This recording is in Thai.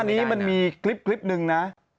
ก่อนหน้านี้มันมีคลิปหนึ่งนะ